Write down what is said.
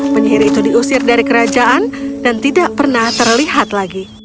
penyihir itu diusir dari kerajaan dan tidak pernah terlihat lagi